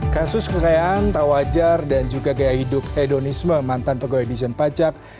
kasus kekayaan tak wajar dan juga gaya hidup hedonisme mantan pegawai dijen pajak